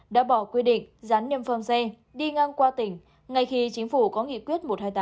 đã bỏ quy định dán niêm phong xe đi ngang qua tỉnh ngay khi chính phủ có nghị quyết một trăm hai mươi tám